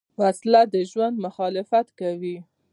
وسله د ژوند مخالفت کوي